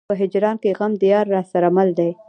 په هجران کې غم د يار راسره مل دی.